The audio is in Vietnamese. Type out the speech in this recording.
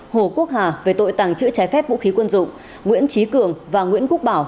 hồ quốc hà về tội tàng trữ trái phép vũ khí quân dụng nguyễn trí cường và nguyễn quốc bảo